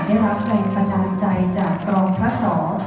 ได้รับแรงประดันใจจากกรองพระสอร์